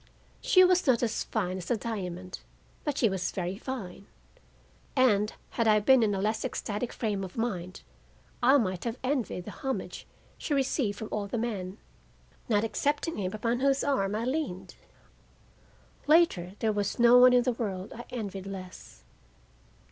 She was not as fine as the diamond, but she was very fine, and, had I been in a less ecstatic frame of mind, I might have envied the homage she received from all the men, not excepting him upon whose arm I leaned. Later, there was no one in the world I envied less.